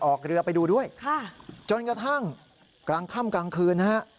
ออกเรือไปดูด้วยจนกระทั่งกลางค่ำกลางคืนนะฮะ